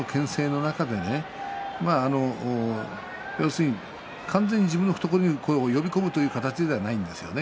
そのけん制の中で完全に自分の懐に呼び込む形ではないんですよね。